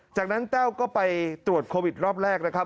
จากนั้นแต้วก็ไปตรวจโควิดรอบแรกนะครับ